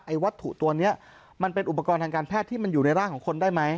วัตถุตัวนี้มันเป็นอุปกรณ์ทางการแพทย์ที่มันอยู่ในร่างของคนได้ไหม